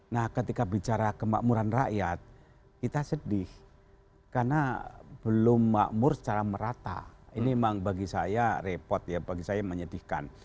nah ketika bicara kemakmuran rakyat kita sedih karena belum makmur secara merata ini memang bagi saya repot ya bagi saya menyedihkan